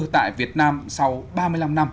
tại việt nam sau ba mươi năm năm